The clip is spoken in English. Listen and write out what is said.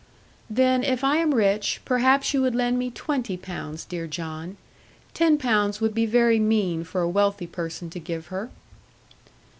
'Then if I am rich, perhaps you would lend me twenty pounds, dear John. Ten pounds would be very mean for a wealthy person to give her.'